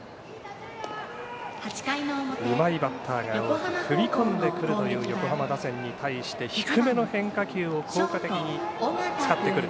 うまいバッターが多く踏み込んでくるという横浜打線に対して低めの変化球を効果的に使ってくる。